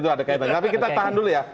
tapi kita tahan dulu ya